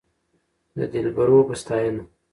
د دلبرو په ستاينه